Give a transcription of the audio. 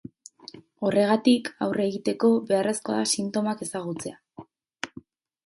Horregatik, aurre egiteko, beharrezkoa da sintomak ezagutzea.